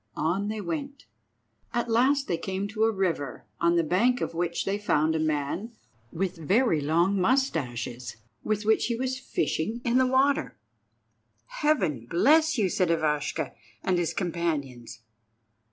On they went. At last they came to a river, on the bank of which they found a man with very long moustaches, with which he was fishing in the water. "Heaven bless you!" said Ivashka and his companions.